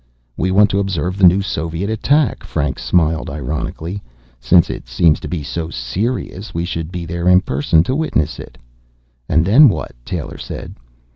"We want to observe the new Soviet attack." Franks smiled ironically. "Since it seems to be so serious, we should be there in person to witness it." "And then what?" Taylor said.